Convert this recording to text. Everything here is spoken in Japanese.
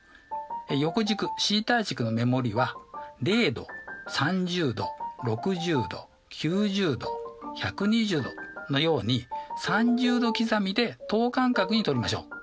横軸θ軸の目盛りは０°３０°６０°９０°１２０°のように３０°刻みで等間隔に取りましょう。